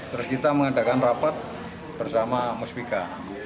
terus kita mengadakan rapat bersama musbika